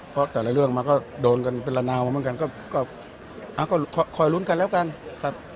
เพราะแต่ละเรื่องมันก็โดนกันเป็นละนาวเหมือนกันก็คอยลุ้นกันแล้วกันครับ